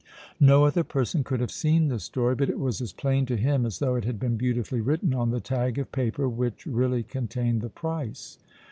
No other person could have seen the story, but it was as plain to him as though it had been beautifully written on the tag of paper which really contained the price.